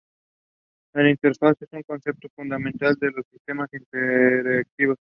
La interfaz es un concepto fundamental en los sistemas interactivos.